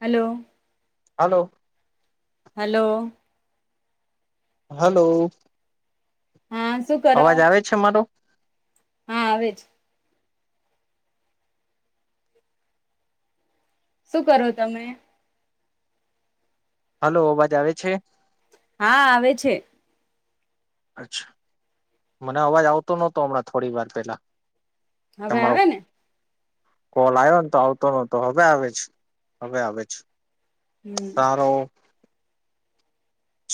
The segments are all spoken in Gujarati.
હાલો હાલો હાલો હાલો હા શું કરો અવાજ આવે જ છે મારો હા આવે જ શું કરો તમે હલો અવાજ આવે છે. હા આવે છે. અચ્છા મને અવાજ આવતો નતો હમણાં થોડી વાર પેલા હવે તમારો આવે ને કોલ આવ્યો ને તો આવતો ન તો હવે આવે જ હવે આવેજ હમ સારો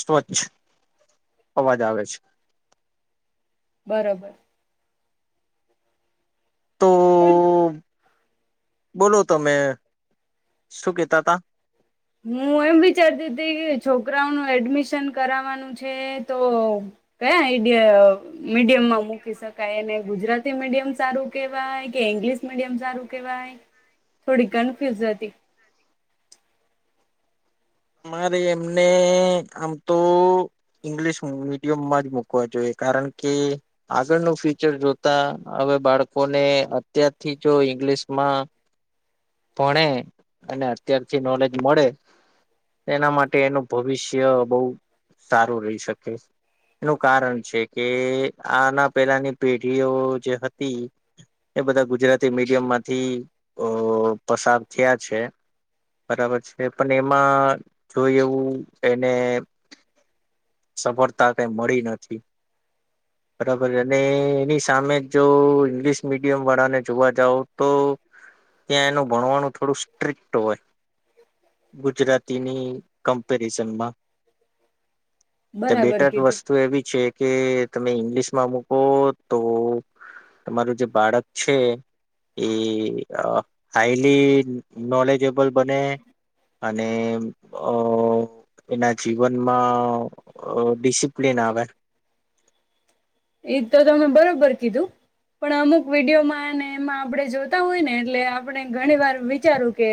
સ્વચ્છ અવાજ આવે છે. બરોબર તોઓઅ બોલો તમે શું કેતા તા હું એમ વિચારતી હતી કે છોકરાઓનું એડમિશન કરાવવાનું છે તો કયા આઈડિયા મીડિયમમાં મૂકી શકાય એને ગુજરાતી મીડિયમ સારું કેવાય કે ઈંગ્લિશ મીડિયમ સારું કેવાય થોડી કન્ફ્યુઝ હતી. મારે એમને આમ તો ઈંગ્લિશ મીડિયમમાં જ મુકવા જોઈએ કારણ કે આગળનું ફ્યુચર જોતા હવે બાળકોને અત્યારથી જો ઈંગ્લિશમાં ભણે અને અત્યારથી નોલેજ મળે એના માટે એનું ભવિષ્ય બોહુ સારું રહી શકે એનું કારણ છે કે આના પહેલાની પેઢીઓ જે હતી એ બધા ગુજરાતી મીડિયમમાંથી અ પસાર થયા છે બરાબર છે પણ એમાં જોઈ એવું એને સફળતા કઈ મળી નથી બરાબર અને એની સામે જો ઇંગ્લિશ મીડિયમ વાળાને જોવા જાવ તો ત્યાં એનું ભણવાનું થોડું સ્ટ્રીક્ટ હોય ગુજરાતીની કમ્પેરિઝનમાં ચ બરાબર બેટર કીધું વસ્તુ એવી છે. કે તમે ઈંગ્લિશ માં મૂકો તો તમારું જે બાળક છે એ અ હાઈલી નોલેજેબલ બને અને અ એના જીવનમાં અહ ડીસિપ્લીન આવે. ઈજ તો તમે બરોબર કીધું પણ અમુક વિડીયોમાં અને એમાં આપણે જોતા હોય ને એટલે આપણે ઘણી વાર વિચારું કે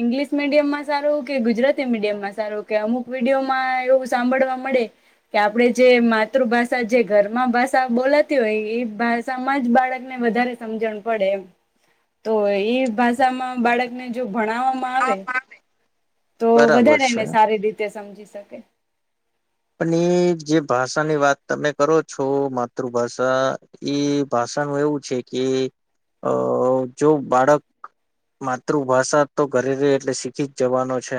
ઇંગ્લિશ મીડિયમમાં સારું કે ગુજરાતી મીડિયમમાં સારું, કે અમુક વિડીયોમાં એવું સાંભળવા મળે કે આપણે જે માતૃભાષા જે ઘરમાં ભાષા બોલાતી હોય એ ભાષામાં જ બાળકને વધારે સમજણ પડે એમ. તો ઈ ભાષામાં બાળકને જો ભણાવવામાં આવે તો બરાબર વધારે છે એને સારી રીતે સમજી શકે. પણ એ જે ભાષાની વાત તમે કરો છો માતૃભાષા એ ભાષાનું એવું છે કે અહ જો બાળક માતૃભાષા તો ઘરે રહે એટલે શીખી જ જવાનું છે,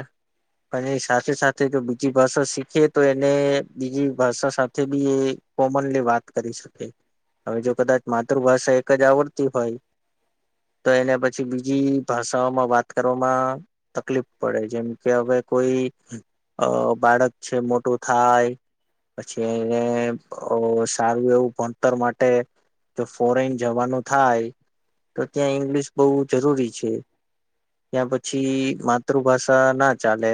અને એ સાથે-સાથે જો બીજી ભાષા શીખે તો એને બીજી ભાષા સાથે બી એ કોમનલી વાત કરી શકે. હવે જો કદાચ માતૃભાષા એક જ આવડતી હોય તો એને પછી બીજી ભાષાઓમાં વાત કરવામાં તકલીફ પડે, જેમ કે હવે અહ કોઈ બાળક છે મોટ ટો થાય, પછી એને અહ સારું એવું ભણતર માટે જો ફોરેન જવાનું થાય તો ત્યાં ઈંગ્લિશ બહુ જરૂરી છે. ત્યાં પછી માતૃભાષા ના ચાલે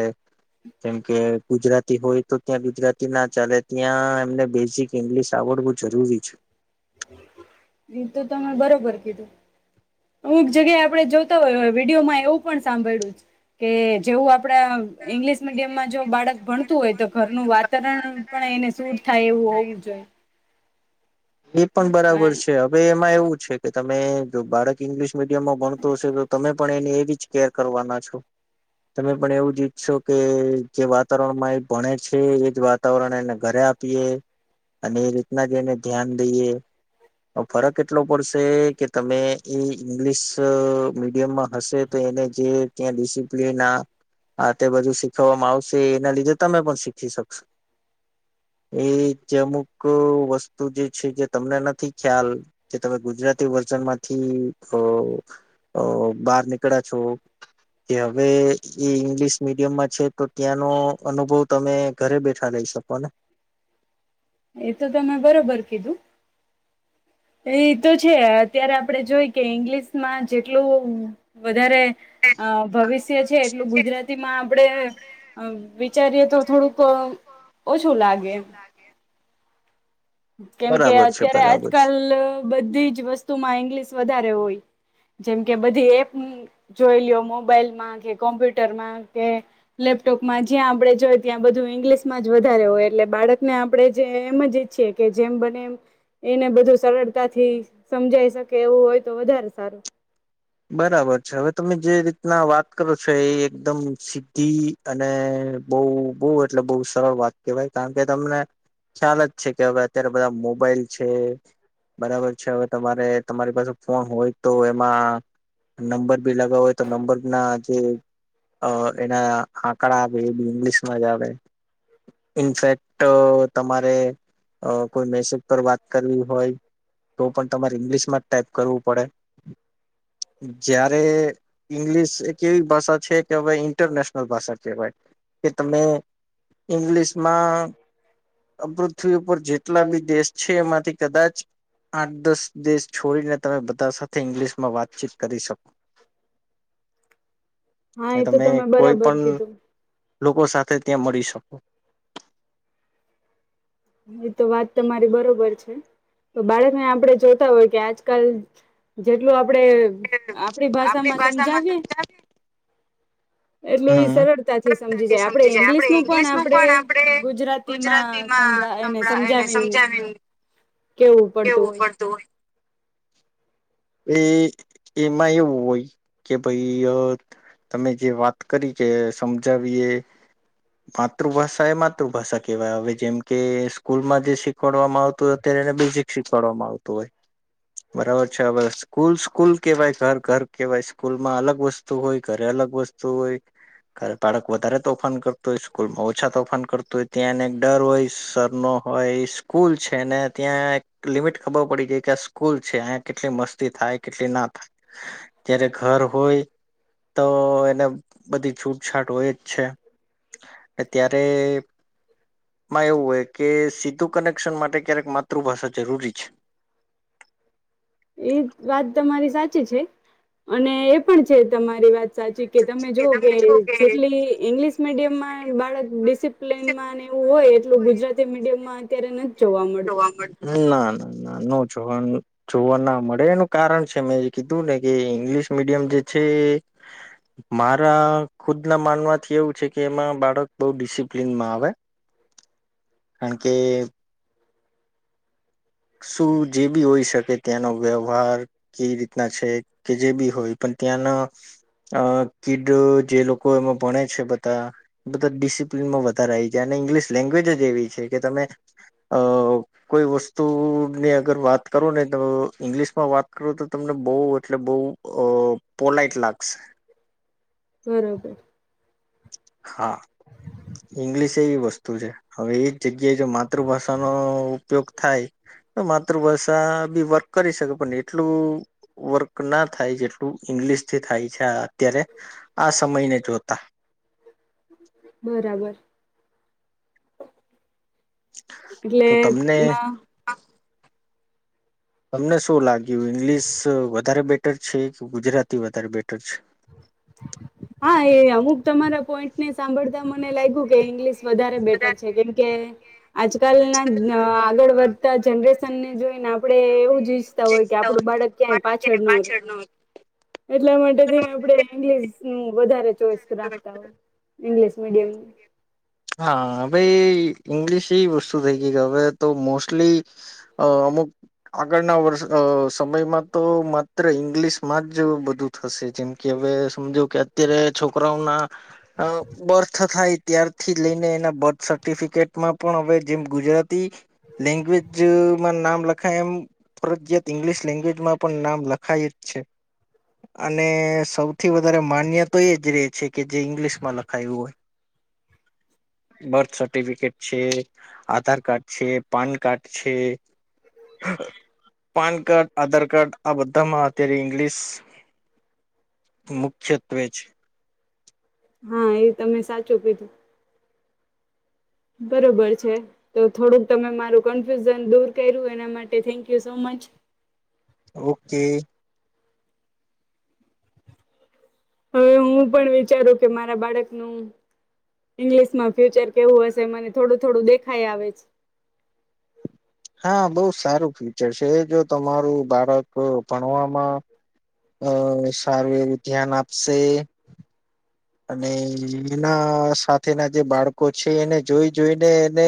જેમ કે ગુજરાતી હોય તો ત્યાં ગુજરાતી ના ચાલે ત્યાં એમને બેઝિક ઇંગ્લિશ આવડવું જરૂરી છે. એ તો તમે બરોબર કીધું. અમુક જગ્યાએ આપણે જોતા હોય હવે વિડીયોમાં એવું પણ સાંભળ્યું કે જેવું આપડા ઈંગ્લિશ મીડિયમમાં જો બાળક ભણતું હોય તો ઘરનું વાતારણ પણ એને સૂટ થાય એવું હોવું જોઈએ. એ પણ બરાબર છે. હવે એમાં એવું છે કે તમે જો બાળક ઈંગ્લિશ મીડિયમમાં ભણતું હશે તો તમે પણ એની એવી જ કેર કરવાના છો, તમે પણ એવું જ ઈચ્છો કે જે વાતાવરણમાં એ ભણે છે એ જ વાતાવરણ એને ઘરે આપીએ, અને એ રીતના જ એને ધ્યાન દઈએ, પણ ફરક એટલો પડશે કે તમે ઈ ઈંગ્લિશ મીડિયમમાં હશે તો એને જે ત્યાં ડિસિપ્લીન અહ આ ને બધું શીખવામાં આવશે એના લીધે તમે પણ શીખી શકશો. એ જે અમુક વસ્તુ જે છે જે તમને નથી ખ્યાલ જે તમે ગુજરાતી વર્ઝનમાંથી અહ અહ બહાર નીકળ્યા છો કે હવે ઈ ઇંગ્લિશ મીડિયમમાં છે તો ત્યાંનો અનુભવ તમે ઘરે બેઠા લઈ શકો ને. એ તો તમે બરોબર કીધું. એ તો છે. અત્યારે આપડે જોય કે ઇંગ્લિશમાં જેટલું વધારે અહ ભવિષ્ય છે એટલું ગુજરાતીમાં આપડે અહ વિચારીએ તો થોડુંક ઓછું લાગે એમ. કેમ કે બરાબર છે અત્યારે બરાબર છે આજકાલ બધી જ વસ્તુમાં ઈંગ્લિશ વધારે હોય. જેમ કે બધી એપ જોઈ લ્યો, મોબાઈલમાં, કે કોમ્પ્યુટરમાં, કે લેપટોપમાં જ્યાં આપડે જોઈ ત્યાં બધું ઈંગ્લિશ માં જ વધારે હોય, એટલે બાળકને આપણેે જે એમ જ ઈચ્છીએ કે જેમ બને એમ એને બધું સરળતા થી સમજાઈ શકે એવું હોય તો વધારે સારું. બરાબર છે. હવે તમે જે રીતના વાત કરો છો એ એકદમ સીધી અને બહું-બહું એટલે બહુ સરળ વાત કહેવાય કારણ કે તમને ખ્યાલ જ છે કે હવે અત્યારે બધા મોબાઈલ છે, બરાબર છે હવે તમારે તમારી પાસે ફોન હોય તો એમાં નંબર બી લગાવો હોય તો નંબર ના જે અહ એના આંકડા આવે એ બી ઇંગ્લિશમાં જ આવે. ઇનફેક્ટ અહ તમારે કોઈ મેસેજ પર વાત કરવી હોય તો પણ તમારે ઇંગ્લિશમાં જ ટાઈપ કરવું પડે. જયારે ઈંગ્લિશ એક એવી ભાષા છે કે હવે ઇન્ટરનેશનલ ભાષા કેહેવાય, કે તમે ઈંગ્લિશમાં પૃથ્વી ઉપર જેટલા બી દેશ છે એમાંથી કદાચ આઠ દસ દેશ છોડીને બધા સાથે ઇંગ્લિશમાં વાત ચેક કરી શકો હા એટલે એ તો તમે કોઈ બરાબર પણ કીધું લોકો સાથે ત્યાં મળી શકો. એ તો વાત તમારી બરોબર છે. તો બાળકને આપડે જોતા હોય કે આજકાલ જેટલું આ આપડે આપડી ભાષામાં સમજાવીએ એટલું ઈ હમ. સરળતા થી સમજી જાય. આપડે ઈંગ્લિશ નું પણ આપડે ગુજરાતી માં સંભળા [inaudible] એ સમજાવીને કેવું પડતું હોય એમાં એવું હોય કે ભઈ અહ તમે જે વાત કરી કે સમજાવીએ માતૃભાષા એ માતૃભાષા કેવાય, હવે જેમ કે સ્કૂલમાં જે શીખવાડવામાં આવતું હોય અત્યારે એને બેઝિક શીખવાડવામાં આવતું હોય, બરાબર છે. હવે સ્કૂલ-સ્કૂલ કહેવાય, ઘર-ઘર કેહેવાય સ્કૂલમાં અલગ વસ્તુ હોય, ઘરે અલગ વસ્તુ તોય અને બાળક વધારે તોફાન કરતું હોય સ્કૂલમાં ઓછા તોફાન કરતું હોય ત્યાંને ડર હોય સર નો હોય કૂલ છે ને ત્યાં એક લિમિટ ખબર પડી ગઈ કે આ સ્કૂલ છે આઈયા કેટલી મસ્તી થાય કેટલી ના થાય, ત્યારે ઘર હોય તો એને બધી છૂટછાટ હોય જ છે. ત્યારે માં એવું હોય કે સીધું કનેક્શન માટે ક્યારેક માતૃભાષા જરૂરી છે. એ વાત તમારી સાચી છે અને એ પણ છે તમારી વાત સાચી કે તમે જોઓ કે જેટલી ઇંગ્લિશ મીડિયમમાં બાળક ડિસિપ્લિનમાં ને એવું હોય એટલું ગુજરાતી મીડિયમમાં અત્યારે નથી જોવા મળતું [inaudible] ના નો જોવા જોવા ના મળે એનું કારણ છે મેં એ કીધું ને કે ઇંગ્લિશ મીડિયમ જે છે એ મારા ખુદના માનવાથી એવું છે કે એમાં બાળક બહુ ડિસિપ્લનમાં આવે કાણ કે- શું જે બી હોઈ શકે ત્યાંનો વ્યવહાર, કેવી રીતના છે કે જે બી હોય પણ ત્યાંના અ કીડ જે લોકો એમાં ભણે છે બધા બધા ડિસિપ્લનમાં વધારે આઈ જાય અને ઇંગ્લિશ લેંગ્વેજ જ એવી છે કે તમે અ કોઈ વસ્ તુની અગર વાત કરુ ને તો ઇંગ્લિશમાં વાત કરો તો તમને બઉ એટલે બઉ પોલાઈટ લાગશે. બરાબર. હા, ઈંગ્લિશ એવી વસ્તુ છે હવે એ જ જગ્યાએ જો માતૃભાષાનો ઉપયોગ થાય તો માતૃભાષા બી વર્ક કરી શકે પણ એટલું વર્ક ના થાય જેટલું ઈંગ્લિશથી થાય છે, આ અત્યારે આ સમયને જોતા. બરાબર. એટલે તો તમને ઈમાં તમને શું લાગ્યું ઇંગ્લિશ વધારે બેટર છે કે ગુજરાતી વધારે બેટર છે. હાં, એ અમુક તમારા પોઈન્ટને સાંભળતા મને લાય્ગુ કે ઇંગ્લિશ વધારે બેટર છે કેમકે આજકાલના આગળ વધતા જનરેશનને જોઈને આપડે એવું જ ઈચ્છતા હોય કે આપડું બાળક ક્યાંય પાછળ ન રે. એટલા માટે થઈને આપડે ઇંગલિશનું વધારે ચોઈસ રાખતા હોય ઇંગ્લિશ મીડિયમ હા, ભાઈ ઇંગ્લીશ એવી વસ્તુ થઈ ગઈ કે અવે તો મોસ્ટલી અ અમુક આગળના વર્ષ અ સમયમાં તો માત્ર ઈંગ્લિશમાં જ બધું થશે, જેમ કે અવે સમજો કે અત્યારે છોકરાઓના અ બર્થ થાય ત્યાર થી લઈને એના બર્થ સર્ટિફિકેટમાં પણ અવે જેમ ગુજરા તી લેંગ્વેજ માં નામ લખાય એમ ફરજયાત ઈંગ્લિશ લેંગ્વેજમાં પણ નામ લખાય જ છે અને સૌથી વધારે માન્ય તો એ જ રે છે કે જે ઇંગ્લિશમાં લખાયું હોય. બર્થ સર્ટિફિકેટ છે, આધાર કાર્ડ છે, પાન કાર્ડ છે, પાન કાર્ડ આધાર કાર્ડ આ બધામાં અત્યારે ઇંગ્લિશ મુખ્યત્વે છે. હા, એ તમે સાચું કીધું. બરોબર છે, તો થોડુંક તમે મારું કન્ફ્યુઝન દૂર કયરુ એના માટે thank you so much. Okay. હવે હું પણ વિચારું કે મારા બાળકનું ઈંગ્લિશમાં ફ્યુચર કેવું હશે મને થોડું થોડું દેખાય આવે છે. હા, બહુ સારું ફ્યુચર છે એ જો તમારું બાળક ભણવામાં અ સારી ધ્યાન આપશે અને એના સાથેના જે બાળકો છે એને જોઈ જોઈને એને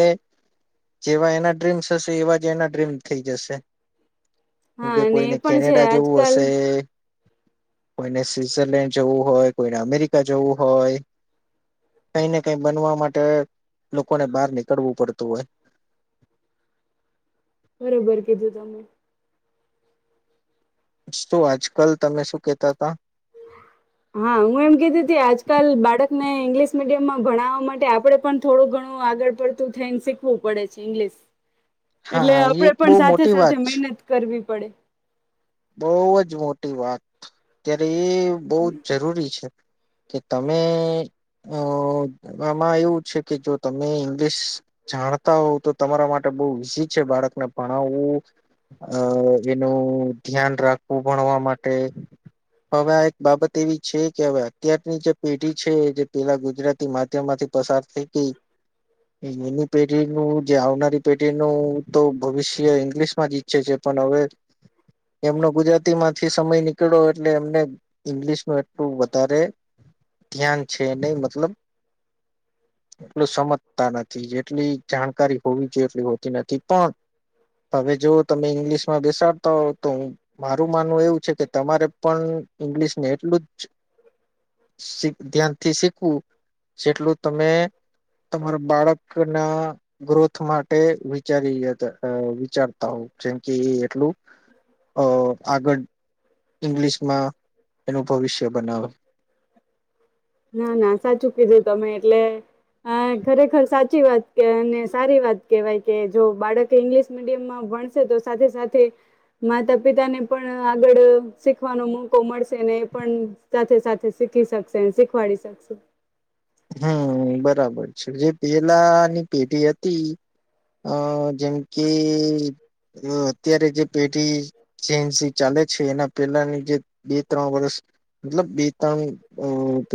જેવા એના ડ્રીમ્સ હશે એવા જ એના ડ્રીમ થઈ જશે. હા કેમકે અને એ કોઈને પણ છે કેનેડા જવું આજકાલ અશે. કોઈને સ્વીત્ઝરલેન્ડ જવું હોય કોઈને અમેરિ કા જવું હોય, કાંઈ ને કાંઈ બનવા માટે લોકોને બાર નીકળવું પડતું હોય. બરોબર કીધું તમે‌ તો આજકાલ તમે શું કેતા તા? હા હું એમ કેતી તી આજકાલ બાળકને ઈંગ્લિશ મીડિયમમાં ભણાવવા માટે આપડે પણ થોડું ઘણું આગળ પડતું થઈને શીખવું પડે છે ઇંગ્લિશ હા એટલે હા, એ આપડે એક પણ બહુ સાથે મોટી સાથે વાત છે મહેનત કરવી પડે. બહુ જ મોટી વાત ત્યારે એ બહુ જ જરૂરી છે. કે તમે અ આમાં એવું છે કે, જો તમે ઇંગ્લિશ જાણતા હોવ તો તમારા માટે બહુ ઈઝી છે. બાળકને ભણાવવું અ એનું ધ્યાન રાખવું ભણવા માટે. હવે આ એક બાબત એવી છે કે હવે અત્યારની જે પેઢી છે જે પેલા ગુજરાતી માધ્યમમાંથી પસાર થઈ ગઈ. એની પેઢીનું જે આવનારી પેઢીનું તો ભવિષ્ય ઇંગ્લિશમાં જ ઈચ્છે છે. પણ હવે એમનો ગુજરાતી માંથી સમય નીકળો એટલે એમને ઈંગ્લિશ ન એટલું વધારે ધ્યાન છે. નહી મતલબ એટલું સમજતા નથી. જેટલી જાણકારી હોવી જોઈએ એટલી હોતી નથી. પણ હવે જો તમે ઈંગ્લિશમાં બેસાડતા હો તો મારું માનવું એવું છે કે તમારે પણ ઇંગ્લિશ ને એટલું જ શીખ ધ્યાનથી શીખવું જેટલું તમે તમારા બાળક ના [inaudible] ગ્રોથ માટે વિચારી જયતા વિચારતા હો જેમ કે એ એટલું તો આગળ ઈંગ્લિશમાં એનું ભવિષ્ય બનાવે. ના ના સાચું કીધું તમે એટલે હા ખરેખર સાચી વાત કે અને સારી વાત કેવાય કે, જો બાળક ઈંગ્લિશ મીડિયમમાં ભણશે તો સાથે સાથે માતા પિતાને પણ આગળ શીખવાનો મોકો મળશે. ને એ પણ સાથે સાથે શીખી શકશે શીખવાડી શકશે. હમ્મ બરાબર છે જે પેલાની પેઢી હતી અ જેમ કે અ અત્યારે જે બેટી સેનસી ચાલે છે. એના પેલાની જે બે ત્રણ વર્ષ મતલબ બે ત્રણ